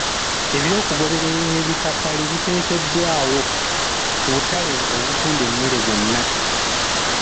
Eby'okugoberera ebikakali, biteekeddwawo ku butale obutunda emmere bwonna.